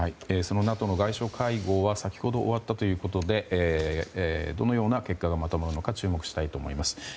そのＮＡＴＯの外相会合は先ほど終わったということでどのような結果がまとまるのか注目したいと思います。